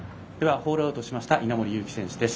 ホールアウトしました稲森佑貴選手です。